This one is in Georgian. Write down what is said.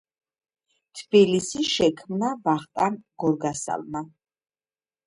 თბილისი შექმნა ვახტანგ გორგასალმა